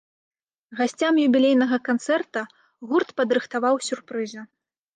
Гасцям юбілейнага канцэрта гурт падрыхтаваў сюрпрызы.